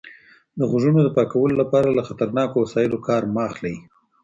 د غوږونو د پاکولو لپاره له خطرناکو وسایلو کار مه اخلئ.